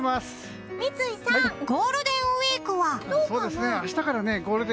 三井さん、ゴールデンウィークはどうかな？